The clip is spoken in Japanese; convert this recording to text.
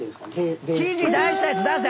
指示出したやつ出せ！